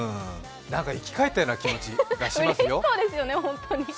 なんか生き返ったような気持ちがしますよ。